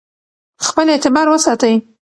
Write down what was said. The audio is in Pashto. خپل اعتبار وساتئ.